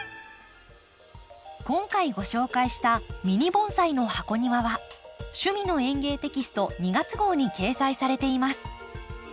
今回ご紹介した「ミニ盆栽の箱庭」は「趣味の園芸」テキスト２月号に掲載されています。